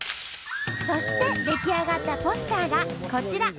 そして出来上がったポスターがこちら。